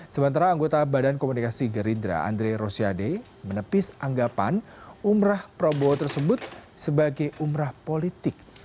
sementara anggota badan komunikasi gerindra andre rosiade menepis anggapan umrah prabowo tersebut sebagai umrah politik